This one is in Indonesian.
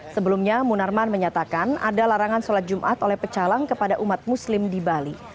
sebelumnya munarman menyatakan ada larangan sholat jumat oleh pecalang kepada umat muslim di bali